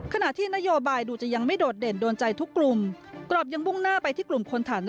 ขณะที่นโยบายดูจะยังไม่โดดเด่นโดนใจทุกกลุ่ม